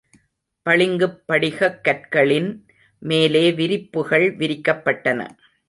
பளிங்குப் படிகக் கற்களின் மேலே விரிப்புகள் விரிக்கப்பட்டன.